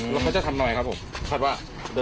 แล้วเขาจะทำอะไรครับผม